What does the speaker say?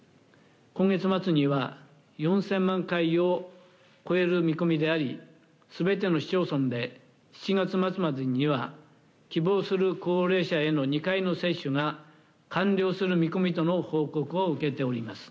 今月末には４０００万回を超える見込みであり全ての市町村で７月末までには希望する高齢者への２回の接種が完了する見込みとの報告を受けております。